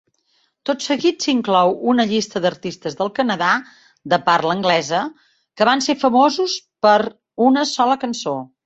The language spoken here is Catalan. Tot seguit s'inclou una llista d'artistes del Canadà de parla anglesa que van ser famosos per una sola cançó.